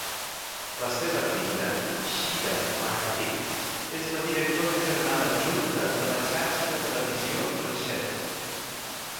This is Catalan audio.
La seva filla, Shira Margalit, és la directora general adjunta de la xarxa de televisió Reshet.